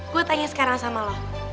gue tanya sekarang sama lo